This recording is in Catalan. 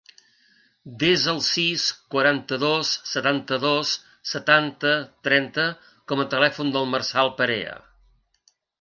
Desa el sis, quaranta-dos, setanta-dos, setanta, trenta com a telèfon del Marçal Perea.